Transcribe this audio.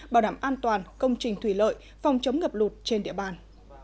bảo đảm an toàn công trình thủy lợi phòng chống ngập lụt trên địa bàn